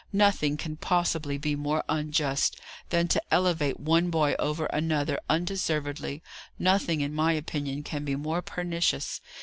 "Nothing can possibly be more unjust, than to elevate one boy over another undeservedly; nothing, in my opinion, can be more pernicious.